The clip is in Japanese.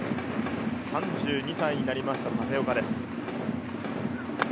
３２歳になりました立岡です。